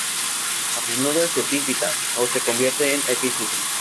A menudo es epífita, o se convierte en epífita.